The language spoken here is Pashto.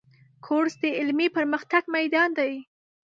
کورس د علمي پرمختګ میدان دی.